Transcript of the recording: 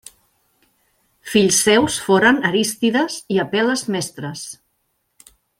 Fills seus foren Arístides i Apel·les Mestres.